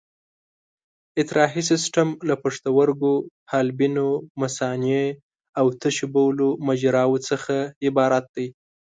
اطراحي سیستم له پښتورګو، حالبینو، مثانې او د تشو بولو مجراوو څخه عبارت دی.